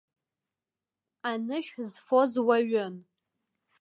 Анышә зфоз уаҩын.